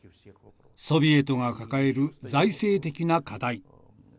ソビエトが抱える財政的な課題。